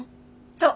そう。